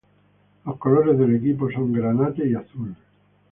Los colores del equipo son granate y azul.